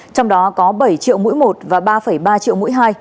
trong đó có bảy triệu mũi một và ba ba triệu mũi hai